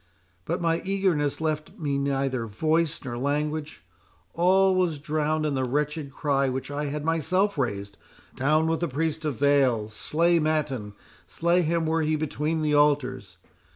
—But my eagerness left me neither voice nor language—all was drowned in the wretched cry which I had myself raised—Down with the priest of Baal! Slay Mattan— slay him were he between the altars!